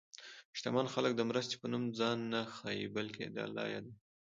شتمن خلک د مرستې په نوم ځان نه ښيي، بلکې الله یادوي.